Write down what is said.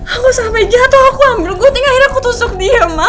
aku sampe jatuh aku ambil goting akhirnya aku tusuk dia ma